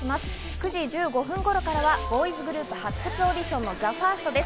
９時１５分頃からはボーイズグループ発掘オーディションのＴＨＥＦＩＲＳＴです。